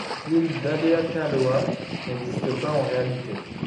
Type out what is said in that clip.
L'île d'Haleakaloha n'existe pas en réalité.